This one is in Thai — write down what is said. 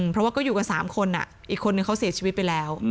เพราะว่าก็อยู่กัน๓คนอีกคนนึงเขาเสียชีวิตไปแล้ว